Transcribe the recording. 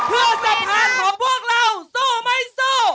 เพื่อสะพานของพวกเราสู้ไหมสู้